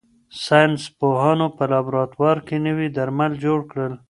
ساینس پوهانو په لابراتوار کې نوي درمل جوړ کړل.